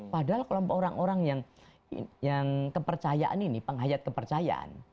padahal kelompok orang orang yang kepercayaan ini penghayat kepercayaan